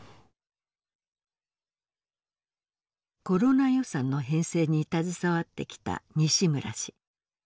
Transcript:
コロナ予算の編成に携わってきた西村氏。